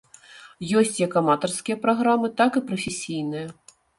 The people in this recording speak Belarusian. Ёсць як аматарскія праграмы, так і прафесійныя.